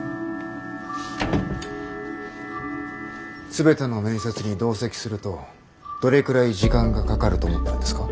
全ての面接に同席するとどれくらい時間がかかると思ってるんですか？